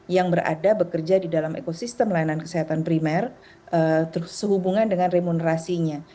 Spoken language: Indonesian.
yang berada bekerja di dalam ekosistem layanan kesehatan primer sehubungan dengan remunerasinya